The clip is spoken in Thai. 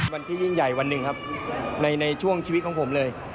ยิ่งใหญ่วันหนึ่งครับในช่วงชีวิตของผมเลย